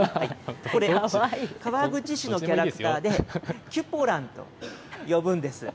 これ、川口市のキャラクターで、きゅぽらんと呼ぶんです。